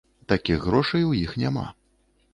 Такіх грошай у іх няма.